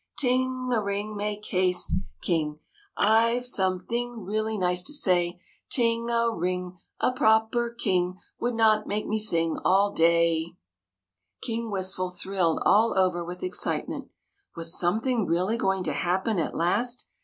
Ting a ring ! Make haste, King ! THE MAGICIAN'S TEA PARTY 27 I Ve something really nice to say ; Ting a ring! A/w/^r King Would not make me sing all day !" King Wistful thrilled all over with excite ment. Was something really going to happen at last?